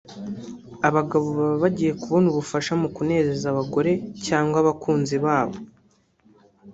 Abagabo baba bagiye kubona ubufasha mu kunezeza abagore cyangwa abakunzi babo